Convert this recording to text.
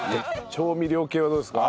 「調味料系はどうですか？」